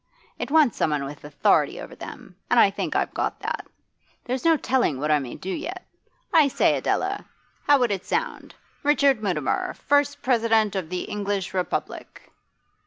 It wants someone with authority over them, and I think I've got that. There's no telling what I may do yet. I say, Adela, bow would it sound "Richard Mutimer, First President of the English Republic"?